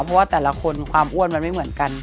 เพราะว่าแต่ละคนความอ้วนมันไม่เหมือนกัน